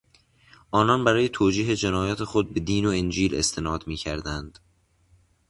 آنان برای توجیه جنایات خود به دین و انجیل استناد میکردند.